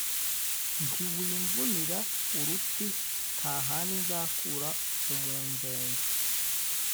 Nti: Wimvunira uruti nta handi nzakura umunzenzi;